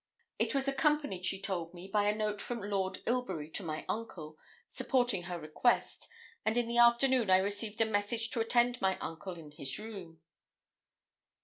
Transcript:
It was accompanied, she told me, by a note from Lord Ilbury to my uncle, supporting her request; and in the afternoon I received a message to attend my uncle in his room.